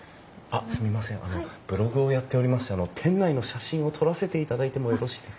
あのブログをやっておりまして店内の写真を撮らせていただいてもよろしいですか？